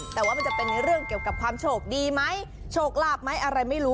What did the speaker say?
แต่ว่ามันจะเป็นเรื่องเกี่ยวกับความโชคดีไหมโชคลาภไหมอะไรไม่รู้